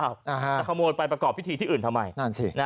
จะขโมยไปประกอบพิธีที่อื่นทำไม